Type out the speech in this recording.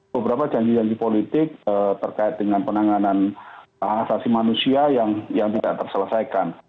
beberapa janji janji politik terkait dengan penanganan hak asasi manusia yang tidak terselesaikan